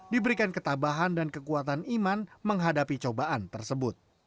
diberikan ketabahan dan kekuatan iman menghadapi cobaan tersebut